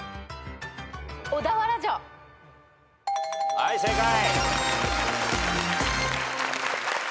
はい正解。